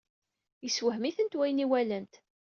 Yessewhem-itent wayen i walant.